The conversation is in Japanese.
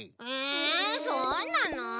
えそうなの？